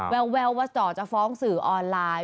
แววว่าจ่อจะฟ้องสื่อออนไลน์